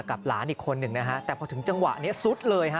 หลานอีกคนหนึ่งนะฮะแต่พอถึงจังหวะนี้ซุดเลยฮะ